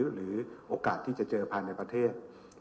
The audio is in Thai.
หรือโอกาสที่จะเจอภายในประเทศ